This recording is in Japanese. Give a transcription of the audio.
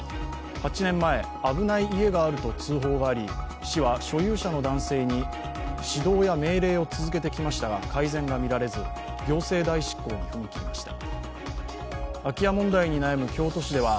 ８年前、危ない家があると通報があり市は所有者の男性に指導や命令を続けてきましたが改善が見られず行政代執行に踏み切りました。